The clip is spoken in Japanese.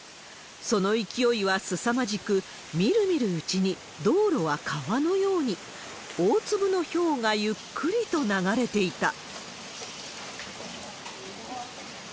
その勢いはすさまじく、みるみるうちに道路は川のように、大粒のひょうがゆっくりと流れていた。